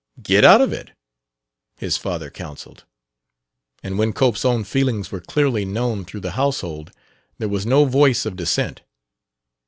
"Get out of it," his father counselled; and when Cope's own feelings were clearly known through the household there was no voice of dissent.